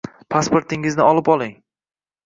«Pasportingizni olib oling